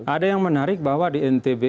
ada yang menarik bahwa di ntb